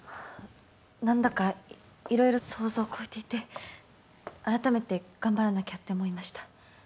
何だか色々想像を超えていてあらためて頑張らなきゃって思いました。